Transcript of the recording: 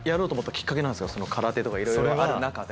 空手とかいろいろある中で。